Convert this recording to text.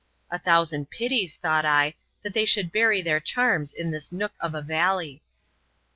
A thousand pities, thought I, that they should bury their charms in this nook of a valley.